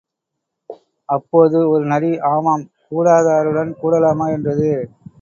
அப்போது ஒரு நரி ஆமாம், கூடாதாருடன் கூடலாமா? என்றது.